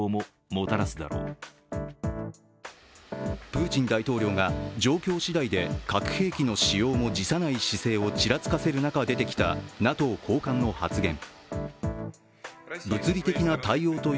プーチン大統領が状況しだいで核兵器の使用も辞さない姿勢をちらつかせる中、出てきたＮＡＴＯ高官の発言。